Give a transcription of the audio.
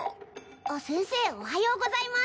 あっ先生おはようございます。